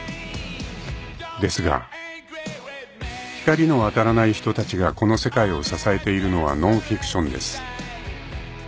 ［ですが光の当たらない人たちがこの世界を支えているのはノンフィクションです］